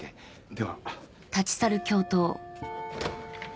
では。